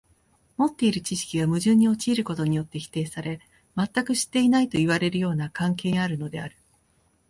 持っている知識が矛盾に陥ることによって否定され、全く知っていないといわれるような関係にあるのである。